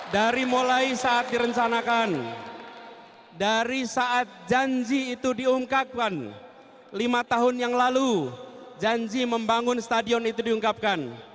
dari mulai saat direncanakan dari saat janji itu diungkapkan lima tahun yang lalu janji membangun stadion itu diungkapkan